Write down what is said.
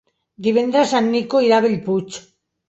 Divendres en Nico irà a Bellpuig.